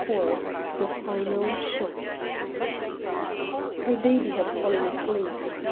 IV THE FINAL SHOCK Her baby had fallen asleep.